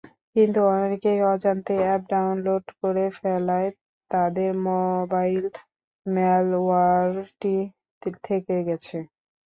কিন্তু অনেকেই অজান্তে অ্যাপ ডাউনলোড করে ফেলায় তাদের মোবাইলে ম্যালওয়্যারটি থেকে গেছে।